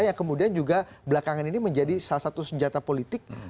yang kemudian juga belakangan ini menjadi salah satu senjata politik